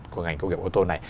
của ngành công nghiệp ô tô này